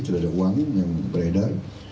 sudah ada uang yang beredar